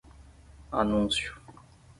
Anúncio